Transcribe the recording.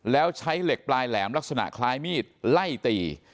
แล้วใช้เหล็กปลายแหลมลักษณะคล้ายมีดไล่ตี